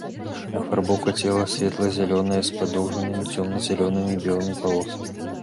Афарбоўка цела светла-зялёная з падоўжнымі цёмна-зялёнымі і белымі палосамі.